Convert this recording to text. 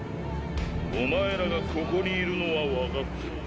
お前らがここにいるのは分かってる。